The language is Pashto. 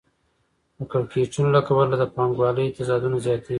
د کړکېچونو له کبله د پانګوالۍ تضادونه زیاتېږي